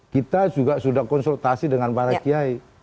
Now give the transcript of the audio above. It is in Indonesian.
kita juga sudah konsultasi dengan para kiai